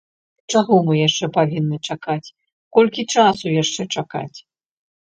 Чаго мы яшчэ павінны чакаць, колькі часу яшчэ чакаць?